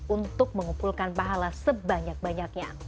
untuk mengumpulkan pahala sebanyak banyaknya